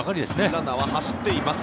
ランナーは走っています。